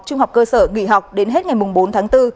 trung học cơ sở nghỉ học đến hết ngày bốn tháng bốn